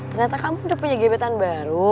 ternyata kamu udah punya gebetan baru